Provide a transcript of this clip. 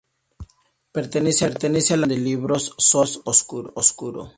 Pertenece a la colección de libros Sol Oscuro.